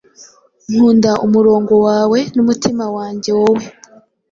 Nkunda umurongo wawe n'umutima wanjye woe,